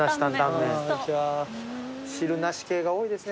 汁なし系が多いですね